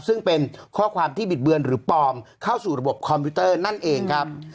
ซึ่งเป็นข้อความที่บิดเบือนหรือปลอมเข้าสู่ระบบคอมพิวเตอร์นั่นเองครับ